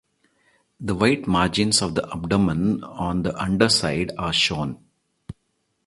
The white margins of the abdomen on the underside are shown.